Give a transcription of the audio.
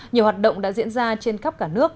nhiều hoạt động đã diễn ra trên khắp cả nước